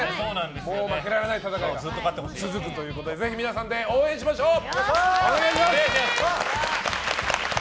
もう負けられない戦いが続くということでぜひ皆さんで応援しましょう！